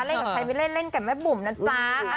กับใครไม่เล่นเล่นกับแม่บุ๋มนะจ๊ะ